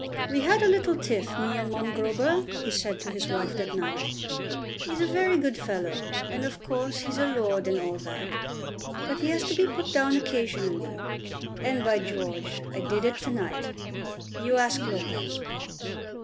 "We had a little tiff, me and Mongrober," he said to his wife that night. "'E's a very good fellow, and of course he's a lord and all that. But he has to be put down occasionally, and, by George, I did it to night. You ask Lopez."